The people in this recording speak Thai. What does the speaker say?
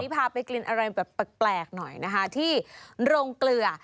พาไปกินอะไรแบบแปลกหน่อยนะคะที่โรงเกลือ